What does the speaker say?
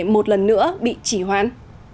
một lần nữa bị chỉ hoãn